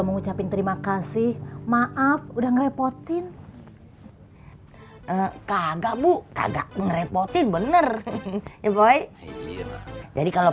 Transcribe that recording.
mau ngucapin terima kasih maaf udah ngerepotin kagak bu kagak ngerepotin bener ya boy jadi kalau